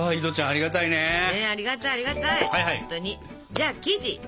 じゃあ生地。